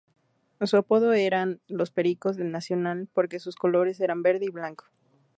Su apodo eran "Los Pericos" del Nacional porque sus colores eran verde y blanco.